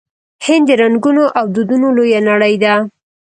هند د رنګونو او دودونو لویه نړۍ ده.